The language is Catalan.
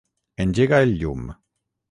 Engega el llum.